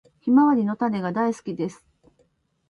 ヒマワリの種が大好きです。